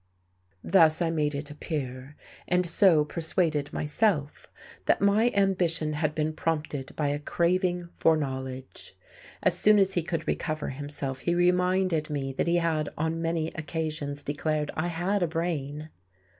Thus I made it appear, and so persuaded myself, that my ambition had been prompted by a craving for knowledge. As soon as he could recover himself he reminded me that he had on many occasions declared I had a brain.